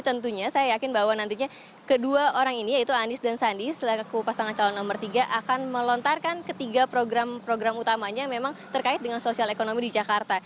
tentunya saya yakin bahwa nantinya kedua orang ini yaitu anies dan sandi selaku pasangan calon nomor tiga akan melontarkan ketiga program program utamanya memang terkait dengan sosial ekonomi di jakarta